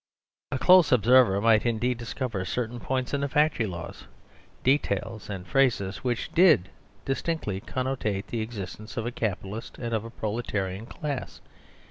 A close observer might indeed discover certain points in the Factory laws, details and phrases, which did distinctly connote the existence of a Capitalist 157 THE SERVILE STATE and of a Proletarian class.